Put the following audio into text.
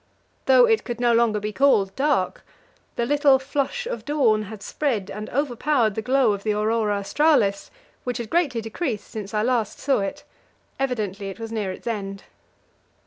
Though it could no longer be called dark: the little flush of dawn had spread and overpowered the glow of the aurora australis, which had greatly decreased since I last saw it; evidently it was near its end.